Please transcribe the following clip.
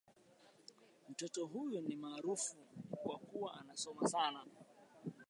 Mtoto huyu ni maarafu kwa kuwa anasoma sana.